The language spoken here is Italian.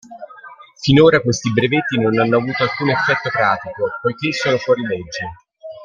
Finora questi brevetti non hanno avuto alcun effetto pratico poiché sono fuori legge.